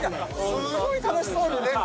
すごい楽しそうでね。